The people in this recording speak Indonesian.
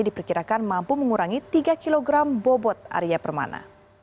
diperkirakan mampu mengurangi tiga kg bobot area permana